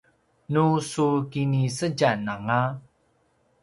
nu su kinisedjam anga